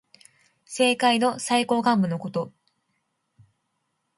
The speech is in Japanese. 政界の最高幹部のこと。